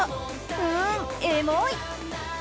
うーん、エモい。